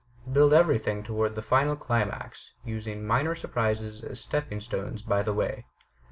Build everything toward the final climax, using minor surprises as stepping stones by the way.